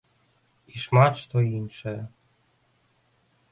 І шмат што іншае.